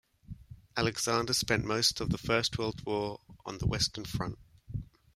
Alexander spent most of the First World War on the Western Front.